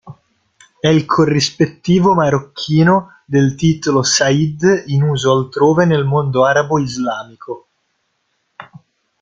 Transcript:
È il corrispettivo marocchino del titolo Sayyid in uso altrove nel mondo arabo-islamico.